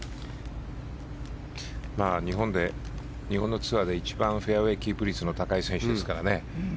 日本のツアーで一番フェアウェーキープ率の高い選手ですからね。